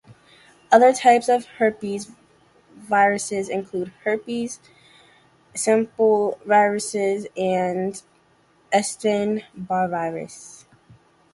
Other types of herpes viruses include herpes simplex viruses and Epstein-Barr virus.